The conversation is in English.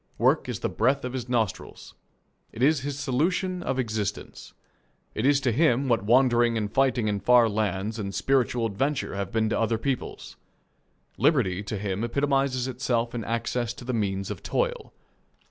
Work is the breath of his nostrils. It is his solution of existence. It is to him what wandering and fighting in far lands and spiritual adventure have been to other peoples. Liberty to him epitomizes itself in access to the means of toil.